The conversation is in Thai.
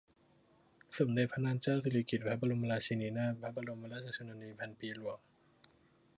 สมเด็จพระนางเจ้าสิริกิติ์ พระบรมราชินีนาถ พระบรมราชชนนีพันปีหลวง